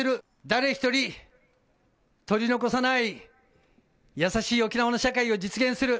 誰一人取り残さない優しい沖縄の社会を実現する。